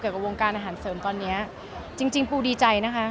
กับวงการอาหารเสริมตอนเนี้ยจริงจริงปูดีใจนะคะ